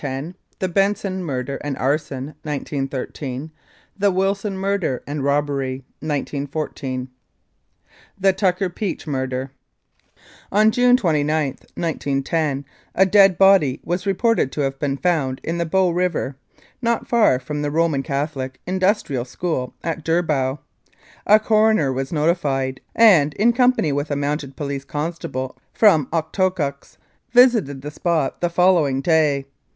THE BENSON MURDER AND ARSON (1913). THE WILSON MURDER AND ROBBERY (1914) The Tucker Peach Murder ON June 29, 1910, a dead body was reported to have been found in the Bow River, not far from the Roman Catholic Industrial School at Durbow. A coroner was notified, and in company with a Mounted Police con stable from Okotoks, visited the spot on the following day.